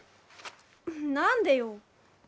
何でよ。